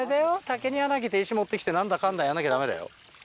竹に穴開けて石持って来て何だかんだやんなきゃダメだよ。